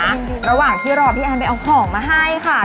นี่นี่นี่นี่ระหว่างที่รอพี่แอนด์ไปเอาของมาให้ค่ะ